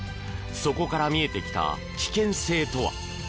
そこから見えてきた危険性とは。